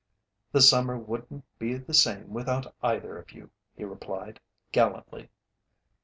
"The summer wouldn't be the same without either of you," he replied, gallantly.